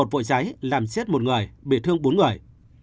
một mươi một vụ cháy làm chết một người bị thương bốn người